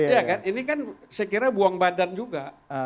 ya kan ini kan saya kira buang badan juga